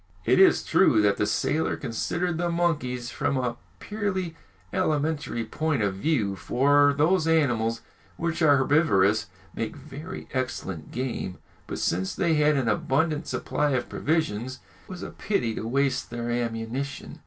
It is true that the sailor considered the monkeys from a purely alimentary point of view, for those animals which are herbivorous make very excellent game; but since they had an abundant supply of provisions, it was a pity to waste their ammunition.